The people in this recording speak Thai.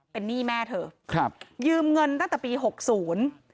เป็นหนี้แม่เธอครับยืมเงินตั้งแต่ปีหกศูนย์